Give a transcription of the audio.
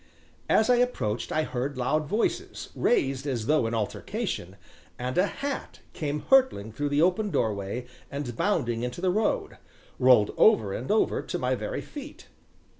As I approached I heard loud voices, raised as though in altercation, and a hat came hurtling through the open doorway and, bounding into the road, rolled over and over to my very feet.